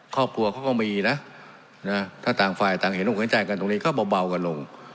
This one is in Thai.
ครอบครัวเขาก็มีนะถ้าต่างฝ่ายต่างเห็นอกเห็นใจกันตรงนี้ก็เบากันลง